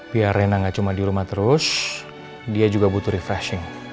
biar rena gak cuma di rumah terus dia juga butuh refreshing